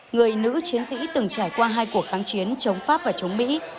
người nữ chiến sĩ từng trải qua hai cuộc kháng chiến chống pháp và chống mỹ